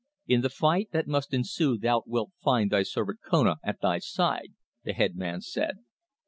"In the fight that must ensue thou wilt find thy servant Kona at thy side," the head man said.